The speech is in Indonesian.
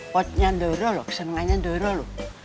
pada hari ini potnya dorol kesenangannya dorol